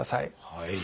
はい。